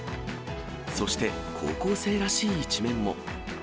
そして、高校生らしい一面も。